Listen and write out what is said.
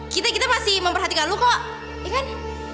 kita kita masih memperhatikan lo kok ya kan